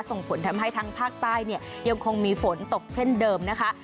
ส่งผลทำให้ทั้งภาคใต้เนี่ยยังคงมีฝนตกเช่นเดิมนะคะ